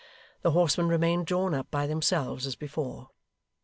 The horsemen remained drawn up by themselves as before.